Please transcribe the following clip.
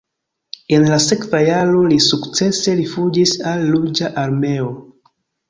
En la sekva jaro li sukcese rifuĝis al la Ruĝa Armeo.